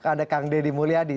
ada kang deddy mulyadi